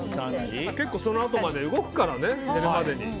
結構そのあとまで動くからね、寝るまでに。